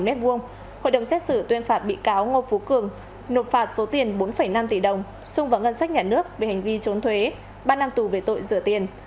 hội đồng xét xử tuyên phạt bị cáo ngô phú cường nộp phạt số tiền bốn năm tỷ đồng xung vào ngân sách nhà nước về hành vi trốn thuế ba năm tù về tội rửa tiền